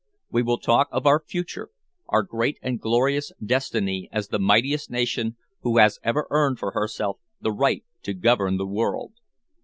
We will talk of our future, our great and glorious destiny as the mightiest nation who has ever earned for herself the right to govern the world.